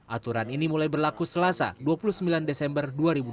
aturan ini mulai berlaku selasa dua puluh sembilan desember dua ribu dua puluh